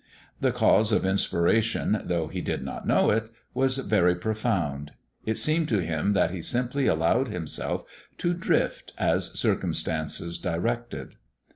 The cause of inspiration, though he did not know it, was very profound. It seemed to him that he simply allowed himself to drift as circumstances directed.